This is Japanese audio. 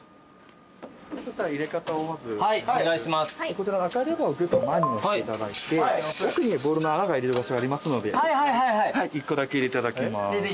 こちらの赤いレバーをグッと前に押していただいて奥にボールの穴入れる場所ありますので１個だけ入れていただきます。